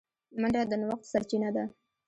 منډه د نوښت سرچینه ده